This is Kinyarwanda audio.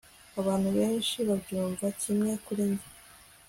abantu benshi babyumva kimwe kuri njye